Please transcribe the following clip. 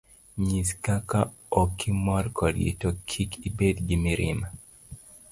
Nyis kaka okimor kodgi, to kik ibed gi mirima.